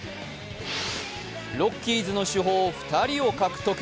ロッキーズの主砲２人を獲得。